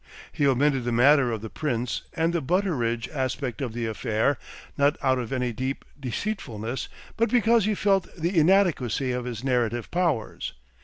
He omitted the matter of the Prince and the Butteridge aspect of the affair, not out of any deep deceitfulness, but because he felt the inadequacy of his narrative powers.